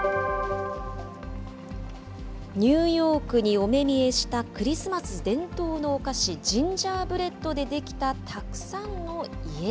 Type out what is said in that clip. ニューヨークにお目見えしたクリスマス伝統のお菓子、ジンジャーブレッドで出来たたくさんの家。